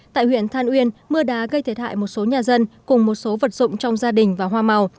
tại huyện than uyên mưa đá gây thiệt hại một số nhà dân cùng một số vật dụng trong gia đình và hoa màu